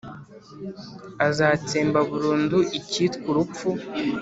Azatsemba burundu icyitwa urupfu,